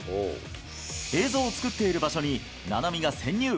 映像を作っている場所に菜波が潜入。